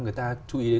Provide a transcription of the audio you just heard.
người ta chú ý đến